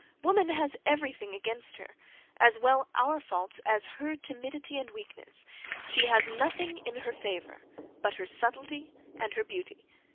Woman has every thing against her, as well our faults as her own timidity and weakness: she has nothing in her favour, but her subtilty and her beauty.